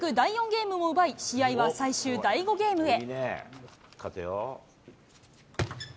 ゲームも奪い、試合は最終第５ゲームへ。